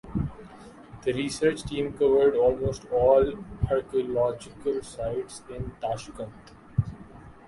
The research team covered almost all archaeological sites in Tashkent.